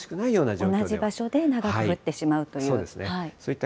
同じ場所で長く降ってしまうという。